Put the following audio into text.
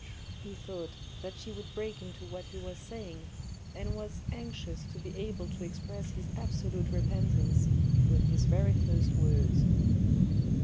He thought that she would break into what he was saying and was anxious to be able to express his absolute repentance with his very first words.